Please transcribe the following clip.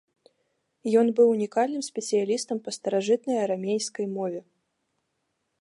Ён быў унікальным спецыялістам па старажытнай арамейскай мове.